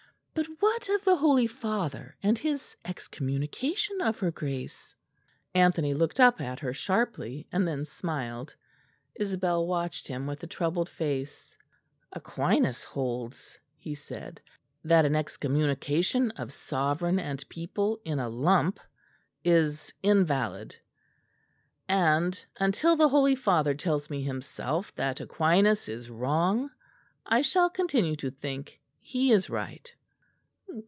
"But what of the Holy Father and his excommunication of her Grace?" Anthony looked up at her sharply, and then smiled; Isabel watched him with a troubled face. "Aquinas holds," he said, "that an excommunication of sovereign and people in a lump is invalid. And until the Holy Father tells me himself that Aquinas is wrong, I shall continue to think he is right."